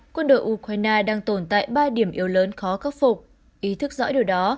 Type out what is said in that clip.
quân đội ukraine đang tồn tại ba điểm yếu lớn khó khắc phục ý thức rõ điều đó